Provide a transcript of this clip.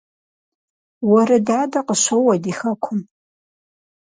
Уэрыдадэ къыщоуэ ди хэкум